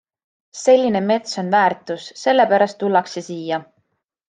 Selline mets on väärtus, selle pärast tullakse siia.